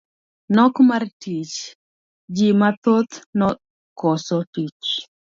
Nok mar tich, ji mathoth nokoso tich.